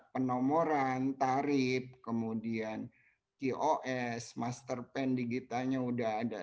penomoran tarif kemudian kos master plan digitalnya sudah ada